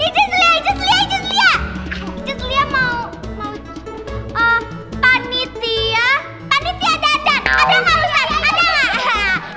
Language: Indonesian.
ijus lia ijus lia ijus lia ijus lia mau panitia panitia dandan ada gak ustadz ada gak